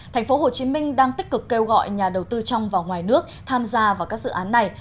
tp hcm đang tích cực kêu gọi nhà đầu tư trong và ngoài nước tham gia vào các dự án này